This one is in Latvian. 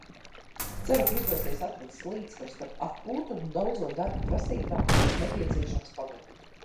Ceru, ka izdosies atrast līdzsvaru starp atpūtu un daudzo darbu prasībām, kurus nepieciešams pabeigt.